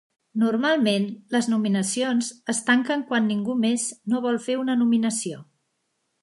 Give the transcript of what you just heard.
Normalment, les nominacions es tanquen quan ningú més no vol fer una nominació.